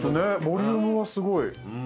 ボリュームはすごい。